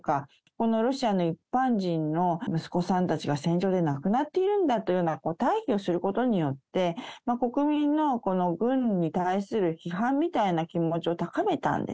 このロシアの一般人の息子さんたちが戦場で亡くなっているんだというような対比をすることによって、国民の軍に対する批判みたい